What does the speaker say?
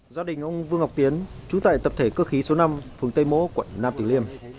gia đình ông vương ngọc tiến trú tại tập thể cơ khí số năm phường tây mỗ quận nam tử liêm